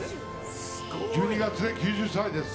１２月で９０歳です。